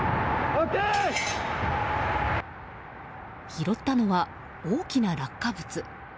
拾ったのは大きな落下物。